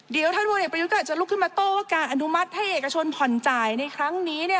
เดี๋ยวท่านพลเอกประยุทธ์ก็อาจจะลุกขึ้นมาโต้ว่าการอนุมัติให้เอกชนผ่อนจ่ายในครั้งนี้